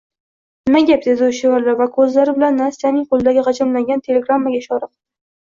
Nima gap? – dedi u shivirlab va koʻzlari bilan Nastyaning qoʻlidagi gʻijimlangan telegrammaga ishora qildi.